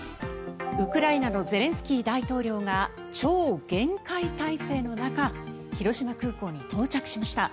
ウクライナのゼレンスキー大統領が超厳戒態勢の中広島空港に到着しました。